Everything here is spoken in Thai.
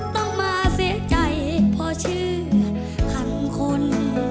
ต้องมาเสียใจพอเชื่อหักคน